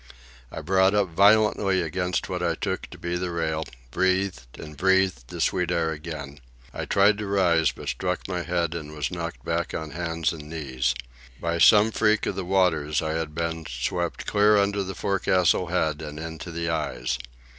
I brought up violently against what I took to be the rail, breathed, and breathed the sweet air again. I tried to rise, but struck my head and was knocked back on hands and knees. By some freak of the waters I had been swept clear under the forecastle head and into the eyes.